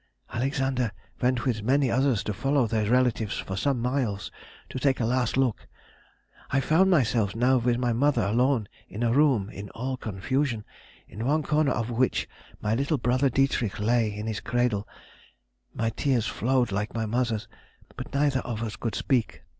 Alexander went with many others to follow their relatives for some miles to take a last look. I found myself now with my mother alone in a room all in confusion, in one corner of which my little brother Dietrich lay in his cradle; my tears flowed like my mother's, but neither of us could speak.